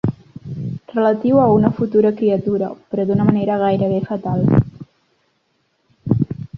Relatiu a una futura criatura, però d'una manera gairebé fatal.